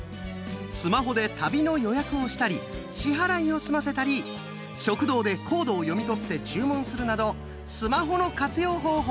スマホで旅の予約をしたり支払いを済ませたり食堂でコードを読み取って注文するなどスマホの活用方法